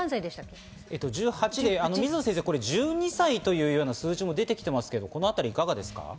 水野先生、１２歳という数字も出ていますが、これはいかがですか？